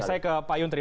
saya ke pak yuntri